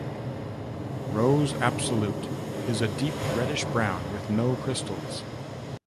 Rose absolute is a deep reddish brown with no crystals.